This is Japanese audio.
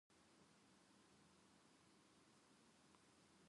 スーパーで、旬の野菜をたくさん買ってきました。